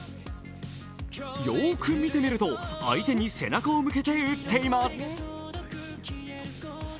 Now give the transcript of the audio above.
よーく見てみると相手に背中を向けて打っています。